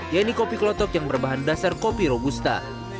yaitu kopi kelotok yang berbahan dasar kopi robusta